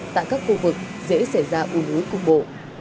tại các khu vực dễ xảy ra u núi cung bộ